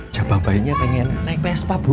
jabah bayinya pengen naik vespa bu